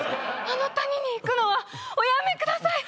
「あの谷に行くのはおやめください！」